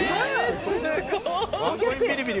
ワンコインビリビリ？